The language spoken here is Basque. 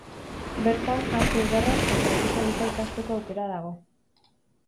Bertan, arte ederrak eta erizaintza ikasteko aukera dago.